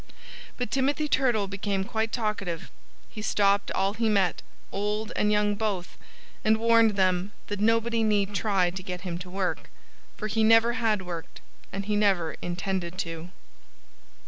But Timothy Turtle became quite talkative. He stopped all he met old and young both and warned them that nobody need try to get him to work, for he never had worked, and he never intended to.